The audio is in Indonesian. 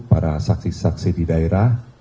para saksi saksi di daerah